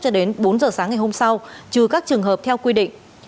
cho đến bốn giờ sáng ngày hôm sau trừ các trường hợp theo quy định